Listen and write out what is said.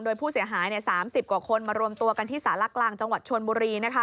โดยผู้เสียหาย๓๐กว่าคนมารวมตัวกันที่สารกลางจังหวัดชนบุรี